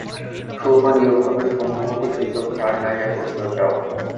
সুরমা দৃঢ়ভাবে সম্মতিসূচক ঘাড় নাড়িয়া কহিল, যাও।